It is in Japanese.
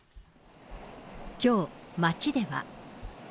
きょう、街では。